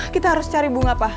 kita harus cari bunga pak